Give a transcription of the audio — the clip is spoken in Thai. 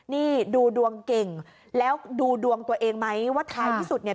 นี่ดูดวงเก่งแล้วดูดวงตัวเองไหมว่าท้ายที่สุดเนี่ย